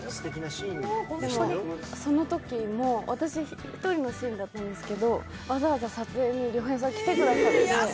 でも、そのときも私１人のシーンだったんですけど、わざわざ撮影に亮平さん、来てくださって。